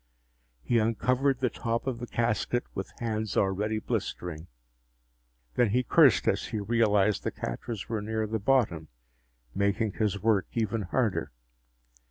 He uncovered the top of the casket with hands already blistering. Then he cursed as he realized the catches were near the bottom, making his work even harder.